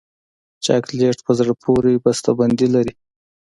چاکلېټ په زړه پورې بسته بندي لري.